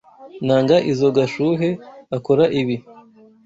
Nanga izoo Gashuhe akora ibi.